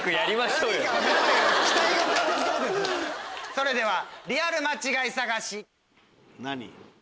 それではリアル間違い探し。